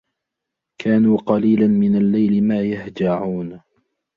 كَانُوا قَلِيلًا مِنَ اللَّيْلِ مَا يَهْجَعُونَ